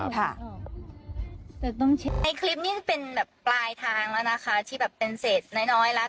ในคลิปนี้เป็นปลายทางแล้วนะคะที่เป็นเสร็จน้อยแล้ว